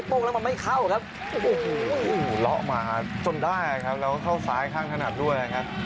โอ้โหโอ้โหเหลามาจนได้ครับแล้วก็เข้าซ้ายข้างถนัดด้วยครับ